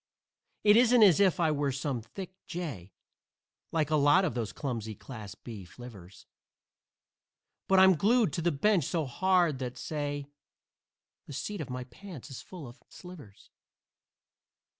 It isn't as if I were some thick jay, Like a lot of those clumsy "Class B" flivvers, But I'm glued to the bench so hard that, say The seat of my pants is full of slivers.